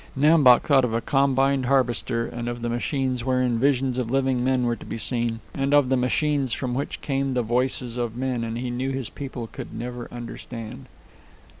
Nam Bok thought of a combined harvester, and of the machines wherein visions of living men were to be seen, and of the machines from which came the voices of men, and he knew his people could never understand.